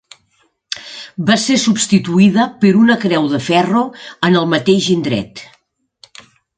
Va ser substituïda per una creu de ferro en el mateix indret.